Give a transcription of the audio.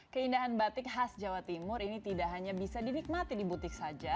keindahan batik khas jawa timur ini tidak hanya bisa dinikmati di butik saja